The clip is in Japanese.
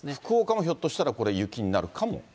福岡もひょっとしたらこれ、雪になるかも？